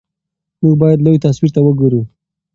موږ باید لوی تصویر ته وګورو.